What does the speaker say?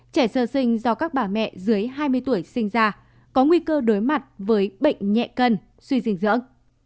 trẻ sơ sinh do các bà mẹ dưới hai mươi tuổi sinh ra có nguy cơ đối mặt với bệnh nhẹ cân suy dinh dưỡng